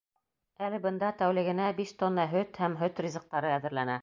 Әле бында тәүлегенә биш тонна һөт һәм һөт ризыҡтары әҙерләнә.